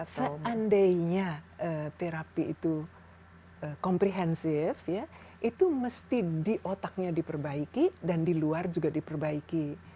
seandainya terapi itu komprehensif itu mesti di otaknya diperbaiki dan di luar juga diperbaiki